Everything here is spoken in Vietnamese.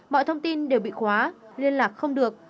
mọi thông tin đều bị khóa liên lạc không được